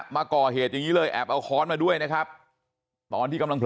มาก่อเหตุอย่างนี้เลยแอบเอาค้อนมาด้วยนะครับตอนที่กำลังเผล